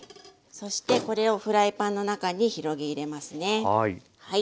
そしてこれをフライパンの中に広げ入れますね。